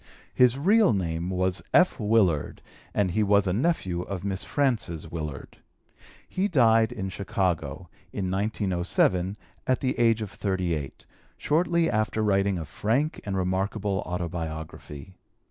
His real name was F. Willard and he was a nephew of Miss Frances Willard. He died in Chicago, in 1907, at the age of 38, shortly after writing a frank and remarkable Autobiography.